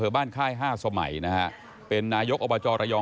ก็เลยหลักก็จะน่าจะเป็นความคิดเห็นร่วมกัน